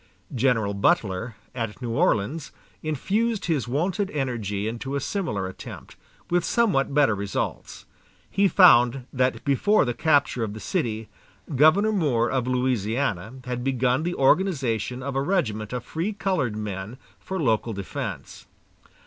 General Butler, at New Orleans, infused his wonted energy into a similar attempt, with somewhat better results. He found that before the capture of the city, Governor Moore of Louisiana had begun the organization of a regiment of free colored men for local defense.